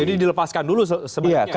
jadi dilepaskan dulu sebenarnya